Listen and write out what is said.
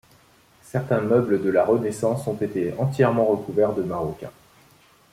Certains meubles de la Renaissance ont été entièrement recouverts de maroquin.